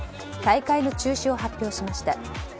大会の中止を発表しました。